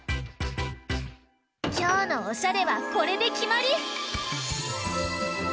きょうのおしゃれはこれできまり！